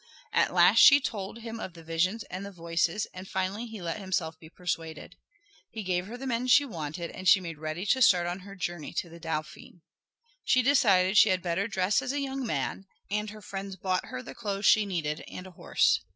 At last she told him of the visions and the voices and finally he let himself be persuaded. He gave her the men she wanted and she made ready to start on her journey to the Dauphin. She decided she had better dress as a young man, and her friends bought her the clothes she needed and a horse.